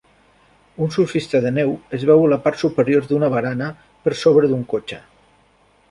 Un surfista de neu es veu a la part superior d'una barana per sobre d'un cotxe